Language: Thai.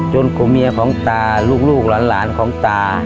กลุ่มเมียของตาลูกหลานของตา